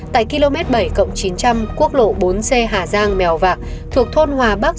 tại km bảy chín trăm linh quốc lộ bốn c hà giang mèo vạc thuộc thôn hòa bắc